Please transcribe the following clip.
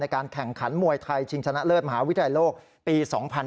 การแข่งขันมวยไทยชิงชนะเลิศมหาวิทยาลัยโลกปี๒๕๕๙